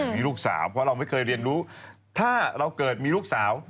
เพราะว่าเราไม่เคยเรียนรู้ถ้าเราเกิดมีลูกสาว